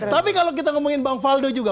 tapi kalau kita ngomongin bang faldo juga